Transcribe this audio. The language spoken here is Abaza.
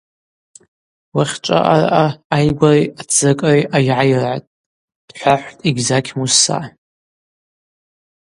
Уахьчӏва араъа айгвари ацзакӏыри айгӏайргӏатӏ! – дхӏвахӏвтӏ Эгьзакь Мусса.